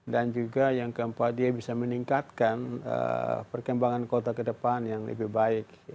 dan juga yang keempat dia bisa meningkatkan perkembangan kota ke depan yang lebih baik